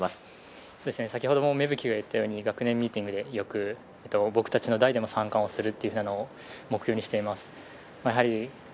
芽吹が言ったように学年ミーティングでよく僕たちの代でも３冠するというのを目標にしています。